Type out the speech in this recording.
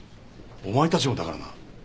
お前たちもだからな。